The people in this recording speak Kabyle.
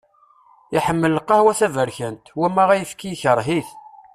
Iḥemmel lqahwa taberkant, wama ayefki ikreh-ih.